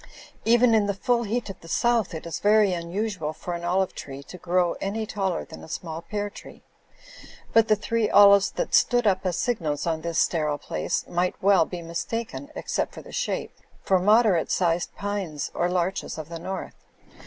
Even in the full heat of the South it is very unusual for an olive tree to grow any taller than a small pear tree ; but the three olives that stood up as signals on this sterile place might well be mistaken, except for the shape, for moderate sized pines or larches of the north.